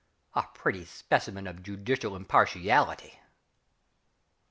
A pretty specimen of judicial impartiality!